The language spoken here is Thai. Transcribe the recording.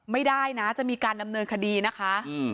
ไม่ได้นะจะมีการดำเนินคดีนะคะ